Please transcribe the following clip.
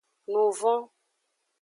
Nuvon.